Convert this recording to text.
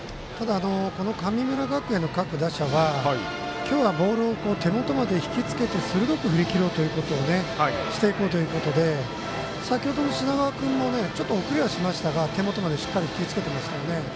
神村学園の各打者は今日はボールを手元まで引きつけて鋭く振り切ろうということをしていこうということで先ほどの品川君も遅れはしましたが手元まで引きつけていますね。